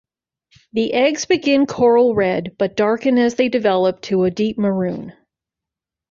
The eggs begin coral red, but darken as they develop to a deep maroon.